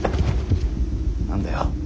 何だよ。